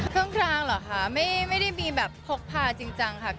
เครื่องพรางเหรอคะไม่ได้มีแบบพกพาจริงจังค่ะ